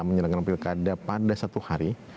menyelenggarakan pilkada pada satu hari